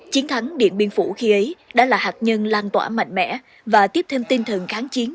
chiến thắng điện biên phủ khi ấy đã là hạt nhân lan tỏa mạnh mẽ và tiếp thêm tinh thần kháng chiến